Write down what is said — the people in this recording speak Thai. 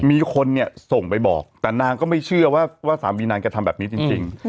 มีคนเนี่ยส่งไปบอกแต่นางก็ไม่เชื่อว่าสามีนางกระทำแบบนี้จริง